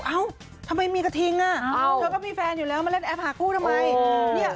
เอ้าทำไมมีกระทิงอ่ะเธอก็มีแฟนอยู่แล้วมาเล่นแอปหาคู่ทำไม